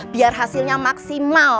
biar hasilnya maksimal